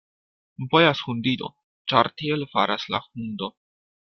Bojas hundido, ĉar tiel faras la hundo.